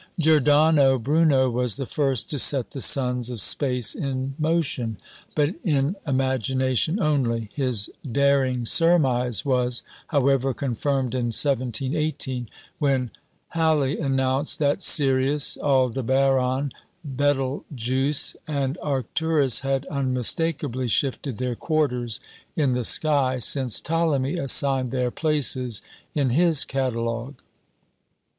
Giordano Bruno was the first to set the suns of space in motion; but in imagination only. His daring surmise was, however, confirmed in 1718, when Halley announced that Sirius, Aldebaran, Betelgeux, and Arcturus had unmistakably shifted their quarters in the sky since Ptolemy assigned their places in his catalogue.